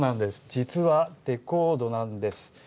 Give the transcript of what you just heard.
実はレコードなんです。